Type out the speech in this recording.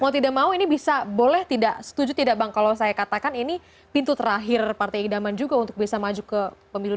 mau tidak mau ini bisa boleh tidak setuju tidak bang kalau saya katakan ini pintu terakhir partai idaman juga untuk bisa maju ke pemilu dua ribu dua puluh